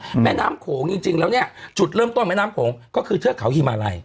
แม่น้ำโขงจริงจริงแล้วเนี้ยจุดเริ่มต้นแม่น้ำโขงก็คือเทือกเขาฮิมาลัย